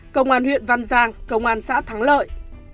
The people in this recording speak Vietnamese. công an huyện văn giang công an xã thắng lợi